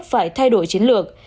đến lúc phải thay đổi chiến lược